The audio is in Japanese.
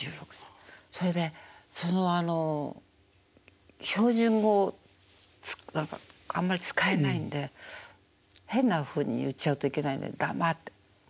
それでそのあの標準語あんまり使えないんで変なふうに言っちゃうといけないんで黙って。